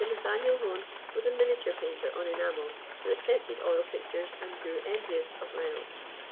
Nathanael Hone was a miniature painter on enamel, who attempted oil pictures and grew envious of Reynolds.